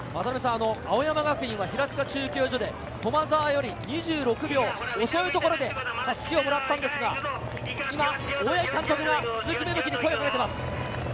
青山学院は平塚中継所で駒澤より２６秒遅いところで襷をもらいましたが、大八木監督が鈴木芽吹に声をかけています。